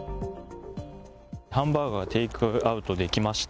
ハンバーガー、テイクアウトできました。